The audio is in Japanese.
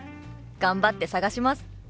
頑張って探します！